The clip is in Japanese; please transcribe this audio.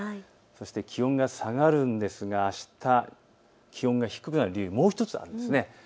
そして気温が下がるんですがあした気温が低くなる理由、もう１つあります。